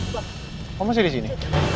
bapak kamu masih di sini